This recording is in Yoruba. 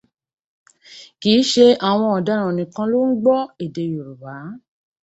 Kìí ṣe àwọn ọ̀daràn nìkan ló ń gbọ́ èdè Yorùbá.